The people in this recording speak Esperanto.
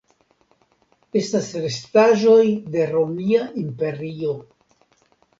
Estas restaĵoj de Romia Imperio.